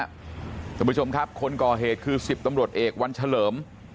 คุณผู้ชมครับคนก่อเหตุคือ๑๐ตำรวจเอกวันเฉลิม